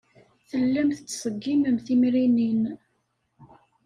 Tellam tettṣeggimem timrinin.